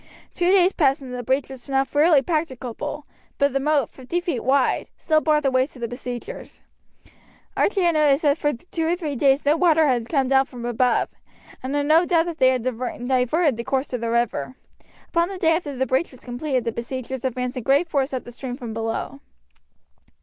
Two days passed, and the breach was now fairly practicable, but the moat, fifty feet wide, still barred the way to the besiegers. Archie had noticed that for two or three days no water had come down from above, and had no doubt that they had diverted the course of the river. Upon the day after the breach was completed the besiegers advanced in great force up the stream from below.